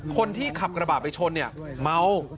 คนที่ขับกระบาดไปชนเมา